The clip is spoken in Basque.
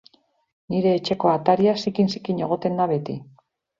Nire etxeko ataria zikin-zikin egoten da beti